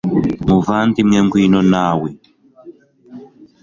muvandimwe ngwino nawe